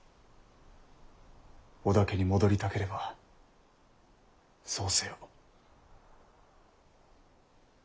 織田家に戻りたければそうせよ。